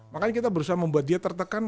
makanya kita berusaha membuat dia tertekan